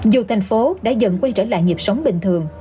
dù thành phố đã dần quay trở lại nhịp sống bình thường